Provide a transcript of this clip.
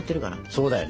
そうだよね。